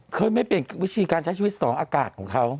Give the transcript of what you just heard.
เคยไม่เปลี่ยนวิธีการใช้ชีวิตสองอากาศของเขา